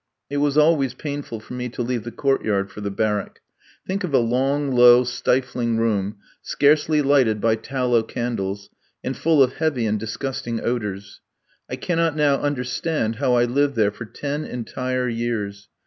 It was always painful for me to leave the court yard for the barrack. Think of a long, low, stifling room, scarcely lighted by tallow candles, and full of heavy and disgusting odours. I cannot now understand how I lived there for ten entire years.